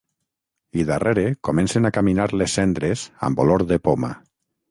I darrere comencen a caminar les cendres amb olor de poma.